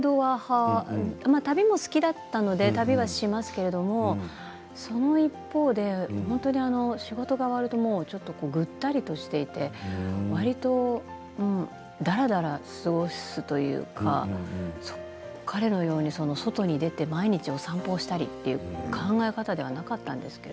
旅は好きだったので旅はしますけれどわりとインドア派その一方で仕事が終わるとぐったりしていてだらだら過ごすというか彼のように外に出て毎日をお散歩したりという考え方ではなかったですね。